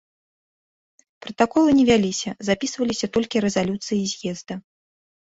Пратаколы не вяліся, запісваліся толькі рэзалюцыі з'езда.